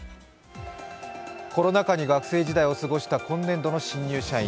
コロナ禍に学生時代を過ごした今年度の新入社員。